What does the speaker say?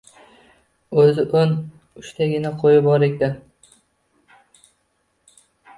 O`zi o`n uchtagina qo`yi bor ekan